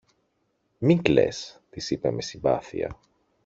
Μην κλαις, της είπε με συμπάθεια.